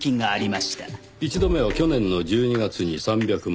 １度目は去年の１２月に３００万。